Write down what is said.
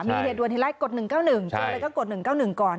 มีเรียนดวนที่ไร้กด๑๙๑เจอเลยก็กด๑๙๑ก่อน